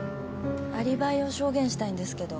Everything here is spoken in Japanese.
アリバイを証言したいんですけど。